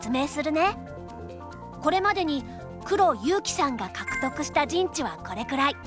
これまでに黒悠生さんが獲得した陣地はこれくらい。